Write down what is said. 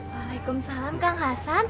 waalaikumsalam kang hasan